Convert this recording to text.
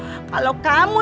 ibu yang menyekolahkan kamu